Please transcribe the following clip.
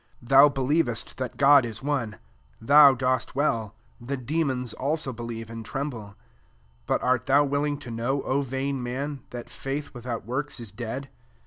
19 Thou believest that God is one : thou dost well : the de mons* also believe, and trem ble. SO But art thou willing to know, O vain man, that faith without works is dead?